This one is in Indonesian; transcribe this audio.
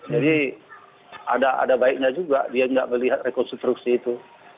jadi ada baiknya juga dia tidak melihat rekonstruksi itu